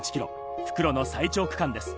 復路の最長区間です。